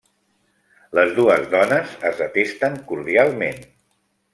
Les dues dones es detesten cordialment.